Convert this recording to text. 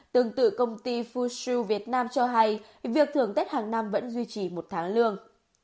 tương tự công ty fushire việt nam cho hay việc thưởng tết hàng năm vẫn duy trì một tháng lương